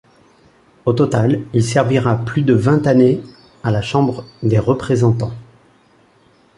Au total il servira plus de vingt années à la Chambre des représentants.